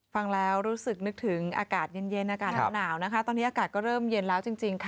ฟังแล้วรู้สึกนึกถึงอากาศเย็นอากาศหนาวนะคะตอนนี้อากาศก็เริ่มเย็นแล้วจริงค่ะ